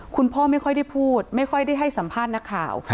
คุณพ่อไม่ค่อยได้พูดไม่ค่อยได้ให้สัมภาษณ์นักข่าว